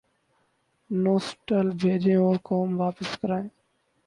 Notices بھیجیں اور رقوم واپس کرائیں۔